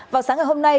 vào sáng ngày hôm nay